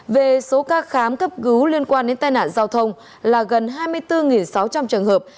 về số ca khám cấp cứu liên quan đến tai nạn giao thông là gần hai mươi bốn sáu trăm linh trường hợp